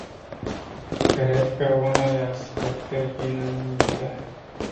Cred că unele aspecte vin în minte.